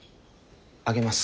あげます。